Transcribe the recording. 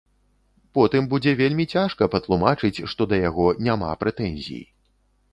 Потым будзе вельмі цяжка патлумачыць, што да яго няма прэтэнзій.